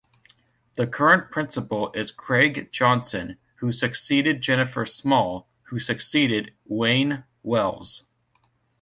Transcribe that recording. The current principal is Craig Johnson, who succeeded Jennifer Small, who succeeded Euan Wells.